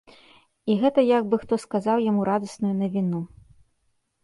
І гэта як бы хто сказаў яму радасную навіну.